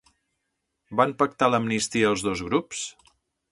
Van pactar l'amnistia els dos grups?